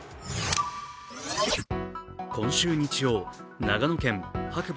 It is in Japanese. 今週日曜、長野県白馬